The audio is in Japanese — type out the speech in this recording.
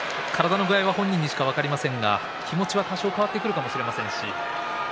体は本人にしか分かりませんけれども気持ちは変わってくるかもしれませんし。